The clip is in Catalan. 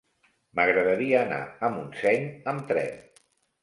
M'agradaria anar a Montseny amb tren.